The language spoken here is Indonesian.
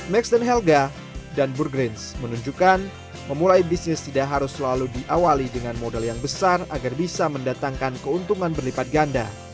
max dan helga dan burgrins menunjukkan memulai bisnis tidak harus selalu diawali dengan modal yang besar agar bisa mendatangkan keuntungan berlipat ganda